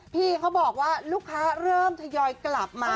พี่เขาบอกว่าลูกค้าเริ่มทยอยกลับมา